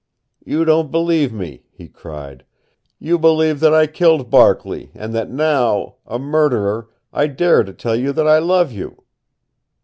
"You don't believe me," he cried. "You believe that I killed Barkley, and that now a murderer I dare to tell you that I love you!"